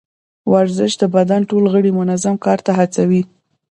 ورزش د بدن ټول غړي منظم کار ته هڅوي.